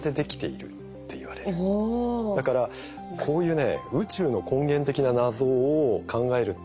だからこういうね